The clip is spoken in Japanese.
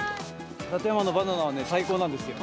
館山のバナナはね、最高なんですよ。